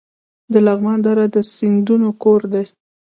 د لغمان دره د سیندونو کور دی